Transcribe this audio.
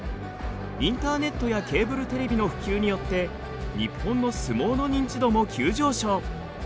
インターネットやケーブルテレビの普及によって日本の相撲の認知度も急上昇。